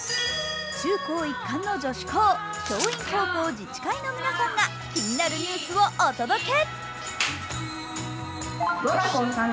中高一貫の女子校・樟蔭高校自治会の皆さんが気になるニュースをお届け。